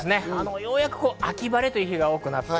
ようやく秋晴れという日が多くなって。